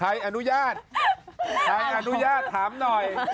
ใครอนุญาตใครอนุญาตถามหน่อย